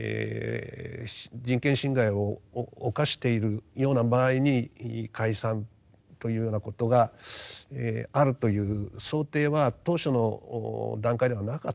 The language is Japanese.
人権侵害を犯しているような場合に解散というようなことがあるという想定は当初の段階ではなかっただろうと思いますね。